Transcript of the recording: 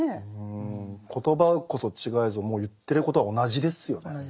言葉こそ違えぞもう言ってることは同じですよね。